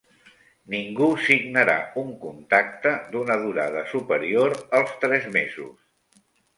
Ningú signarà un contacte d'una durada superior als tres mesos.